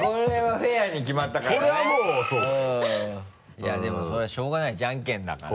いやでもそれはしょうがないじゃんけんだから。